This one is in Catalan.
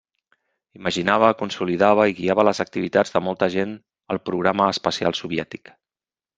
Imaginava, consolidava i guiava les activitats de molta gent al Programa espacial soviètic.